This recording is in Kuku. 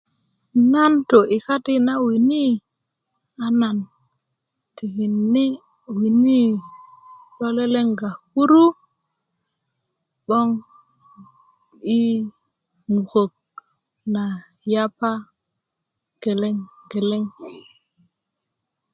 nan tu i kadi na wini a nan tikini' wini lo lelenga kuru 'böŋ i mkök na yapa geleŋ geleŋ